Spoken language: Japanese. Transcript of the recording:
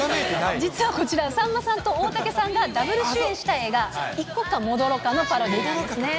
実はこちら、さんまさんと大竹さんがＷ主演した映画、いこかもどろかのパロディーなんですね。